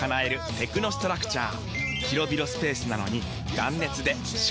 テクノストラクチャー！